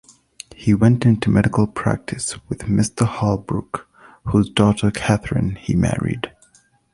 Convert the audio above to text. He went into medical practice with a Mr. Holbrook, whose daughter Catherine he married.